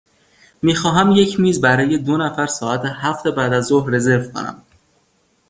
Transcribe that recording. می خواهم یک میز برای دو نفر ساعت هفت بعدازظهر رزرو کنم.